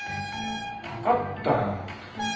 分かったよ。